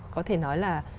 có thể nói là